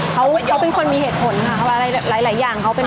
เขาเป็นคนมีเหตุผลค่ะหลายอย่าง